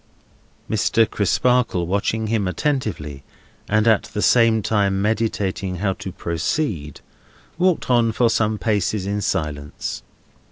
Mr. Crisparkle, watching him attentively, and at the same time meditating how to proceed, walked on for some paces in silence.